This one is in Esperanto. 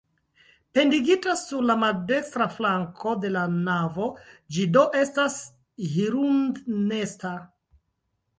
Pendigita sur la maldekstra flanko de la navo, ĝi do estas hirundnesta.